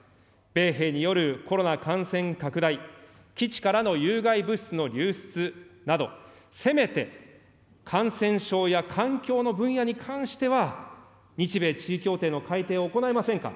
米兵によるコロナ感染拡大、基地からの有害物質の流出など、せめて感染症や環境の分野に関しては、日米地位協定の改定を行えませんか。